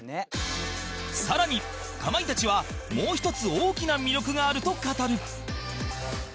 更にかまいたちはもう一つ大きな魅力があると語る